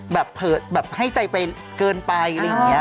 แบบให้ใจเกินไปหรืออย่างนี้